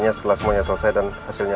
asal ada duitnya